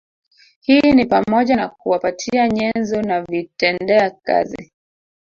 Hii ni pamoja na kuwapatia nyenzo na vitendea kazi